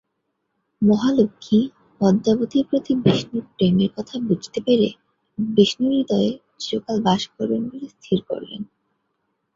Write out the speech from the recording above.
মহালক্ষ্মী পদ্মাবতীর প্রতি বিষ্ণুর প্রেমের কথা বুঝতে পেরে বিষ্ণুর হৃদয়ে চিরকাল বাস করবেন বলে স্থির করলেন।